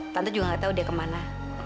tante juga gak tahu dia kemana